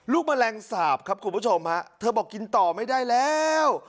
แมลงสาปครับคุณผู้ชมฮะเธอบอกกินต่อไม่ได้แล้ว